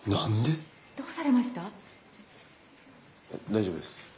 大丈夫です。